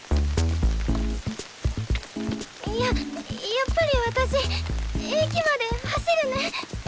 やっぱり私駅まで走るね！